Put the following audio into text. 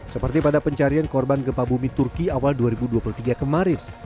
seperti pada pencarian korban gempa bumi turki awal dua ribu dua puluh tiga kemarin